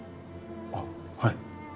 あっはい。